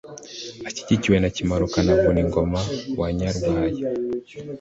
ashyigikiwe na kimanuka na vuningoma wanyarwaya